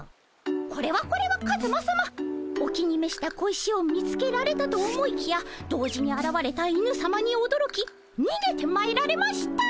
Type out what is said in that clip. これはこれはカズマさまお気に召した小石を見つけられたと思いきや同時にあらわれた犬さまにおどろきにげてまいられました。